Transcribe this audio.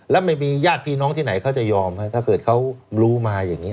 แล้วไม่มีญาติพี่น้องที่ไหนเขาจะยอมถ้าเกิดเขารู้มาอย่างนี้